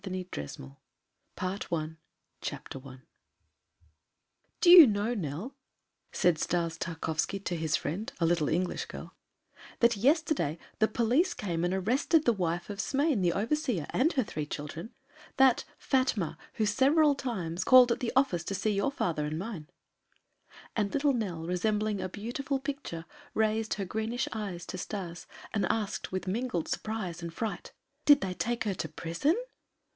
PART FIRST IN DESERT AND WILDERNESS I "Do you know, Nell," said Stas Tarkowski to his friend, a little English girl, "that yesterday the police came and arrested the wife of Smain, the overseer, and her three children, that Fatma who several times called at the office to see your father and mine." And little Nell, resembling a beautiful picture, raised her greenish eyes to Stas and asked with mingled surprise and fright: "Did they take her to prison?"